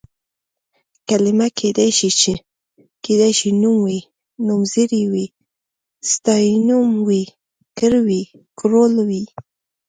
کلمه کيدای شي نوم وي، نومځری وي، ستاینوم وي، کړ وي، کړول وي...